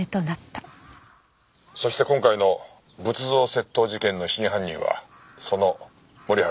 そして今回の仏像窃盗事件の真犯人はその森原俊夫だ。